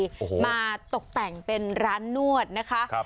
โอ้โหมาตกแต่งเป็นร้านนวดนะคะครับ